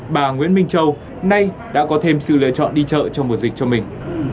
bà nguyễn minh châu nay đã có thêm sự lựa chọn đi chợ trong mùa dịch cho mình